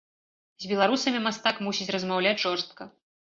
З беларусамі мастак мусіць размаўляць жорстка.